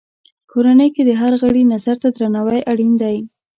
کورنۍ کې د هر غړي نظر ته درناوی اړین دی.